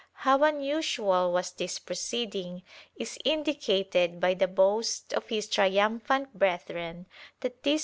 How unusual was this proceeding is indicated by the boast of his triumphant brethren that this was ' Simancse Enchirid.